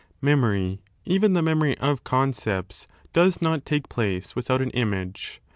Memory, even the memory of concepts, does not take place without on image.